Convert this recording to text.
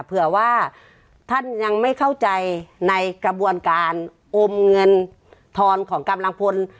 เผื่อว่าท่านยังไม่เข้าใจในกระบวนการอมเงินทอนของกำลังพล